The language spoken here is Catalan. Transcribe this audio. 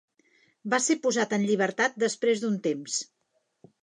Va ser posat en llibertat després d'un temps.